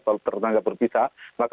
kalau ternangga berpisah